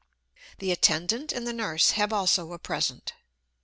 The attendant and the nurse have also a present.